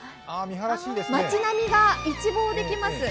街並みが一望できます。